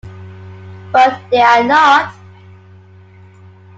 But they are not.